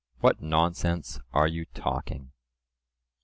What nonsense are you talking?